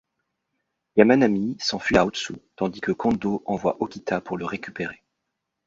Yamanami s'enfuit à Ōtsu tandis que Kondō envoie Okita pour le récupérer.